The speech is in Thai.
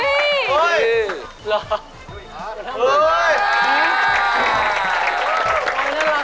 มีไงกันว่า